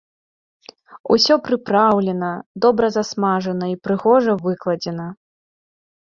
Усё прыпраўлена, добра засмажана і прыгожа выкладзена.